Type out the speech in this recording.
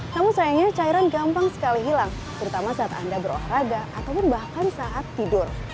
namun sayangnya cairan gampang sekali hilang terutama saat anda berolahraga ataupun bahkan saat tidur